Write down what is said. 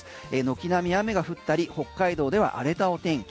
軒並み雨が降ったり北海道では荒れたお天気。